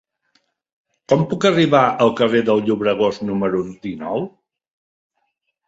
Com puc arribar al carrer del Llobregós número dinou?